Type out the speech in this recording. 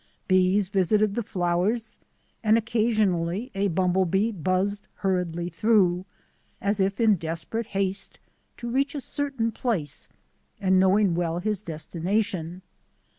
Bees visited the flowers, and occasionally a bumblebee buzzed hurriedly through, as if in desperate haste to reach a certain place and knowing well his des tination.